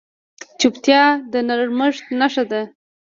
چوپتیا، د نرمښت نښه ده.